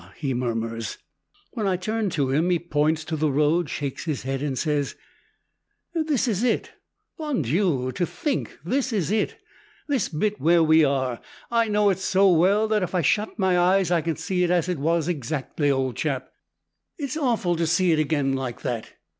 he murmurs. When I turn to him he points to the road, shakes his head and says, "This is it, Bon Dieu, to think this is it! This bit where we are, I know it so well that if I shut my eyes I can see it as it was, exactly. Old chap, it's awful to see it again like that.